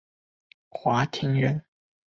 华亭人。